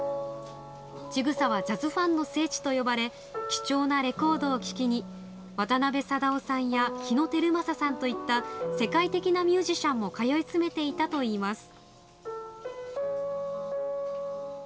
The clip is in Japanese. ちぐさはジャズファンの聖地と呼ばれ、貴重なレコードを聴きに渡辺貞夫さんや日野皓正さんといった世界的なミュージシャンも通い詰めていたといいます。